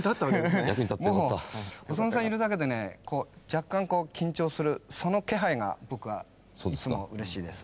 もう細野さんいるだけでね若干こう緊張するその気配が僕はいつもうれしいです。